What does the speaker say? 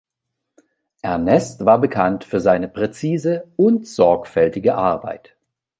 Ernest war bekannt für seine präzise und sorgfältige Arbeit.